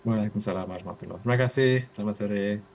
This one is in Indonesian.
waalaikumsalam warahmatullah terima kasih selamat sore